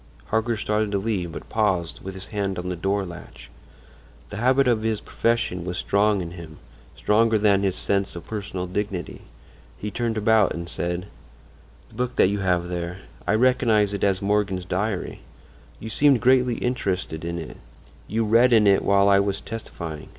Harker started to leave, but paused, with his hand on the door latch. The habit of his profession was strong in him—stronger than his sense of personal dignity. He turned about and said: "The book that you have there—I recognize it as Morgan's diary. You seemed greatly interested in it; you read in it while I was testifying.